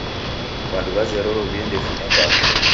W'andu w'azerelo w'iendefunya bagha.